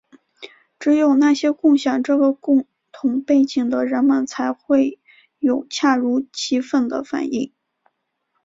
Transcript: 只有那些共享这个共同背景的人们才会有恰如其分的反应。